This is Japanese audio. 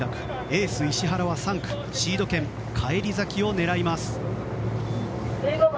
エース石原は３区シード権返り咲きを狙います。